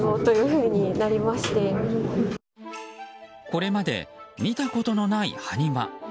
これまで見たことのない埴輪。